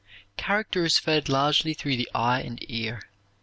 Character is fed largely through the eye and ear.